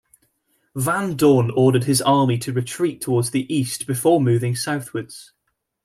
Van Dorn ordered his army to retreat towards the east before moving southwards.